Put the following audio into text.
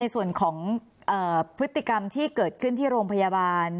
ในส่วนของพฤติกรรมที่เกิดขึ้นที่โรงพยาบาล